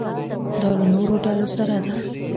دا له نورو ډلو سره ده.